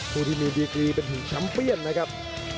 ที่มีดีกรีเป็นถึงชัมเปียนนะครับ